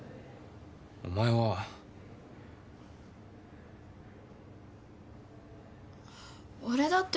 お前は。俺だって。